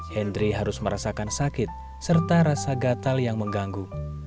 hendri harus merasakan sakit serta rasa gatal yang mengganggu